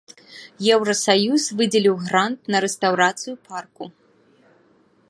Еўрасаюз выдзеліў грант на рэстаўрацыю парку.